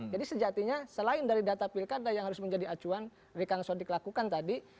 jadi sejatinya selain dari data pilkada yang harus menjadi acuan rekan sodik lakukan tadi